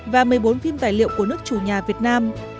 và một mươi bốn phim tài liệu của nước chủ nhà việt nam